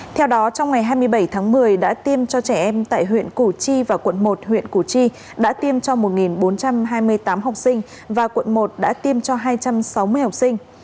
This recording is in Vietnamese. theo đó trong ngày hai mươi bảy tháng một mươi đã tiêm cho trẻ em tại huyện củ chi và quận một huyện củ chi đã tiêm cho một bốn trăm hai mươi tám học sinh và quận một đã tiêm cho hai trăm sáu mươi học sinh